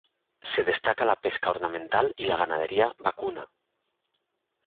Se destaca la pesca ornamental y la ganadería vacuna.